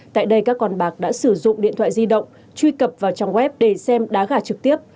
tại đây các con bạc đã sử dụng điện thoại di động truy cập vào trang web để xem đá gà trực tiếp